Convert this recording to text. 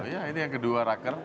ya ini yang kedua raker